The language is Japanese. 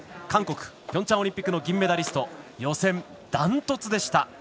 韓国ピョンチャンオリンピックの銀メダリスト予選ダントツでした。